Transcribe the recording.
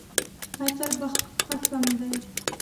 اتل په خښم دی.